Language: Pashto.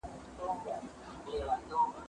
زه کولای سم خواړه ورکړم!؟